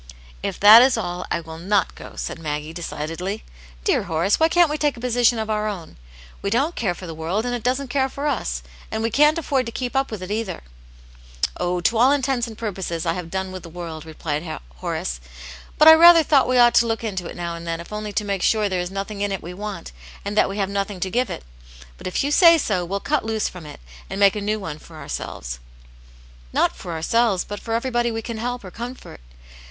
'" If that is all, I will not go," said Maggie, de cidedly. " Dear Horace, why can't we take a posi tion of our own? we don't care for the world, and it doesn't care for us; and we can't afford to keep up with it either." ■.^.•••^'" Oh, to all intents and purposes, I have done with the world," replied Horace ;" but I rather thought we ought to look into it now and then, if only to make sure there is nothing in it we want, and that we have nothing to give it. But if you say so, we'll' cut loose from it, and make a new one for our selves." '" Not for ourselves, but for everj^body we can help^ or comfort.